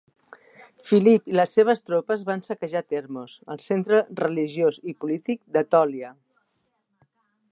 Filip i les seves tropes van saquejar Termos, el centre religiós i polític d'Etòlia.